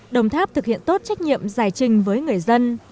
đồng tháp thực hiện tốt trách nhiệm giải trình với người dân